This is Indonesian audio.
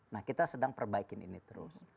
nah kita sedang perbaikin ini terus